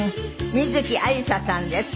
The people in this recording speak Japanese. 観月ありささんです。